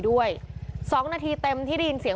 พวกมันต้องกินกันพี่